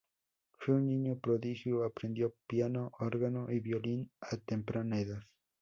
Fue un niño prodigio, aprendió piano, órgano y violín a temprana edad.